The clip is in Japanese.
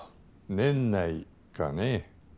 年内かね。